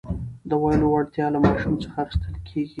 د ویلو وړتیا له ماشوم څخه اخیستل کېږي.